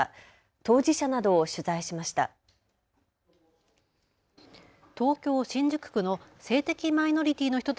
当事者などを取材しました。